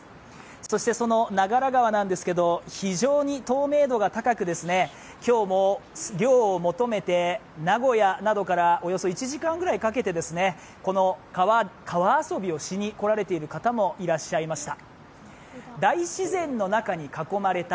そして、長良川なんですけれども、非常に透明度が高く、今日も涼を求めて名古屋などからおよそ１時間ぐらいかけて、川遊びをしに来られている方もいました。